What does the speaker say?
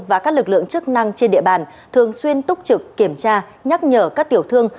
và các lực lượng chức năng trên địa bàn thường xuyên túc trực kiểm tra nhắc nhở các tiểu thương